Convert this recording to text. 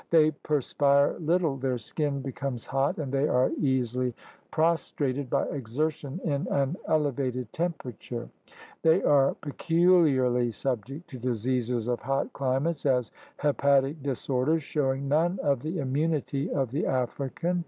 They perspire little, their skin becomes hot, and they are easily pros trated by exertion in an elevated temperature. 22 THE RED MAN'S CONTINENT They are peculiarly subject to diseases of hot climates, as hepatic disorders, showing none of the immunity of the African.